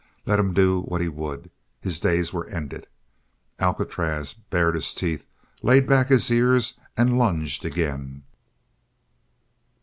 Let him do what he would, his days were ended. Alcatraz bared his teeth, laid back his ears, and lunged again.